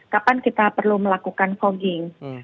sebenarnya kita perlu melakukan fogging